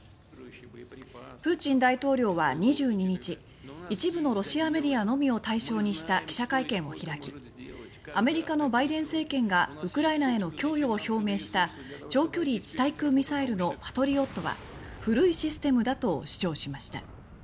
プーチン大統領は２２日一部のロシアメディアのみを対象にした記者会見を開きアメリカのバイデン政権がウクライナへの供与を表明した長距離地対空ミサイルの「パトリオット」は古いシステムだと主張しました。